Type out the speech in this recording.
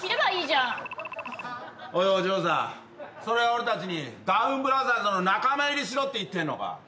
それは俺たちにダウンブラザーズの仲間入りしろって言ってんのか？